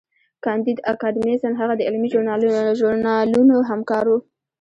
کانديد اکاډميسن هغه د علمي ژورنالونو همکار و.